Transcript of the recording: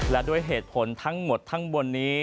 และด้วยเหตุผลทั้งหมดทั้งบนนี้